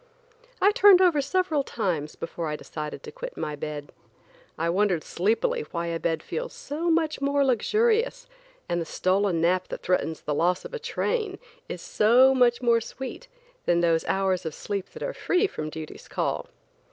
I turned over several times before I decided to quit my bed. I wondered sleepily why a bed feels so much more luxurious, and a stolen nap that threatens the loss of a train is so much more sweet, than those hours of sleep that are free from duty's call.